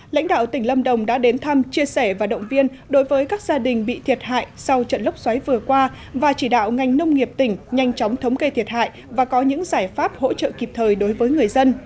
lãnh đạo tỉnh lâm đồng đã đến thăm chia sẻ và động viên đối với các gia đình bị thiệt hại sau trận lốc xoáy vừa qua và chỉ đạo ngành nông nghiệp tỉnh nhanh chóng thống kê thiệt hại và có những giải pháp hỗ trợ kịp thời đối với người dân